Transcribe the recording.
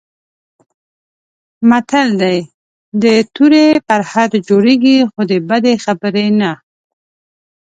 متل دی: د تورې پرهر جوړېږي، خو د بدې خبرې نه.